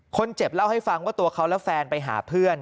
คนเจ็บเล่าให้ฟังว่าตัวเขาและแฟนไปหาเพื่อน